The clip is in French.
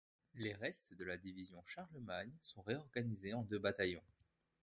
Les restes de la division Charlemagne sont réorganisés en deux bataillons.